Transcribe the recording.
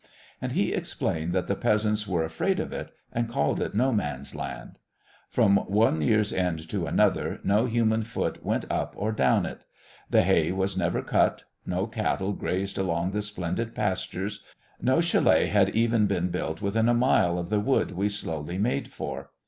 And he explained that the peasants were afraid of it and called it No Man's Land. From one year's end to another no human foot went up or down it; the hay was never cut; no cattle grazed along the splendid pastures; no chalet had even been built within a mile of the wood we slowly made for.